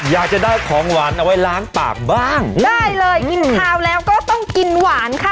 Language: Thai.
อยากจะได้ของหวานเอาไว้ล้างปากบ้างได้เลยกินข้าวแล้วก็ต้องกินหวานค่ะ